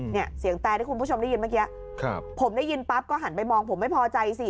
เนี่ยเสียงแตรที่คุณผู้ชมได้ยินเมื่อกี้ครับผมได้ยินปั๊บก็หันไปมองผมไม่พอใจสิ